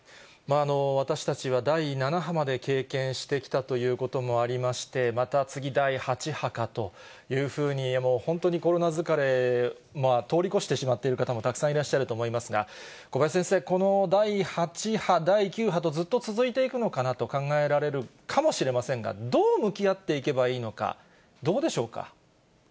私たちは第７波まで経験してきたということもありまして、また、次第８波かというふうに本当にコロナ疲れも通り越してしまっている方もたくさんいらっしゃると思いますが、小林先生、この第８波、第９波と、ずっと続いていくのかなと考えられるかもしれませんが、どう向き合っていけばいいのか、どうでしょうか。